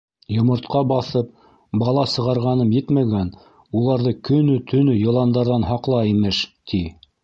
—Йомортҡа баҫып, бала сығарғаным етмәгән, уларҙы көнө- төнө йыландарҙан һаҡла имеш, ти!